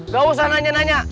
gak usah nanya nanya